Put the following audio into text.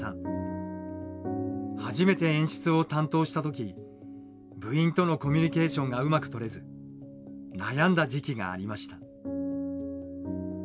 初めて演出を担当した時部員とのコミュニケーションがうまく取れず悩んだ時期がありました。